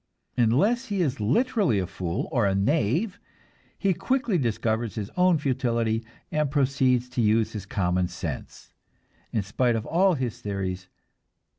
Unless he is literally a fool, or a knave, he quickly discovers his own futility, and proceeds to use his common sense, in spite of all his theories.